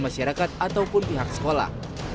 masyarakat ataupun pihak sekolah